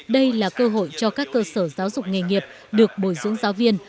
đây là cơ hội cho các cơ sở giáo dục nghề nghiệp được bồi dưỡng giáo viên